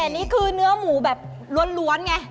แต่นี่คือเนื้อหมูแบบล้วนไง